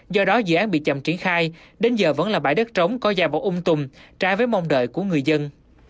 do đó dự án bị chậm triển khai đến giờ vẫn là bãi đất trống có già bộ ung tùm trái với mong đợi của người dân